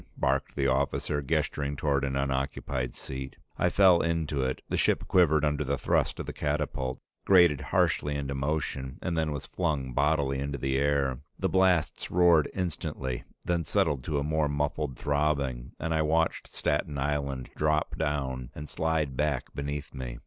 barked the officer, gesturing toward an unoccupied seat. I fell into it; the ship quivered under the thrust of the catapult, grated harshly into motion, and then was flung bodily into the air. The blasts roared instantly, then settled to a more muffled throbbing, and I watched Staten Island drop down and slide back beneath me.